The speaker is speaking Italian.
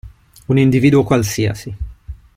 Un individuo qualsiasi.